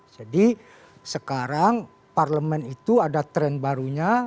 jadi sekarang parlemen itu ada tren barunya